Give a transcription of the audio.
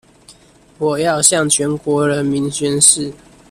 我要向全國人民宣示